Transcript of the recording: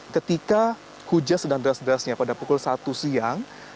ketika hujas dan deras derasnya pada pukul satu siang